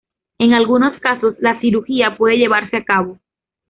En algunos casos, la cirugía puede llevarse a cabo.